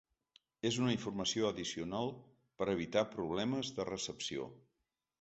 És una informació addicional per a evitar problemes de recepció.